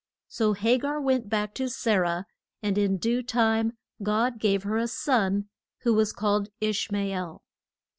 So Ha gar went back to Sa rah, and in due time God gave her a son, who was called Ish ma el.